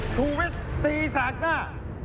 ธุรกิจตีศาสตร์หน้า